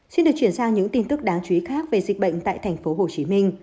xin được chuyển sang những tin tức đáng chú ý khác về dịch bệnh tại tp hcm